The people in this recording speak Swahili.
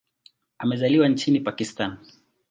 Amezaliwa nchini Pakistan.